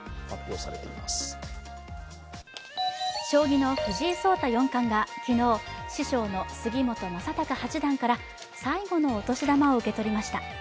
将棋の藤井聡太四冠が昨日、師匠の杉本昌隆八段から最後のお年玉を受け取りました。